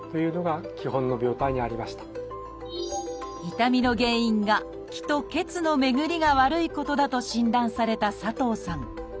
痛みの原因が「気」と「血」の巡りが悪いことだと診断された佐藤さん。